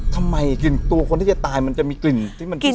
ทำไมกลิ่นตัวคนที่จะตายมันจะมีกลิ่นที่มันกิน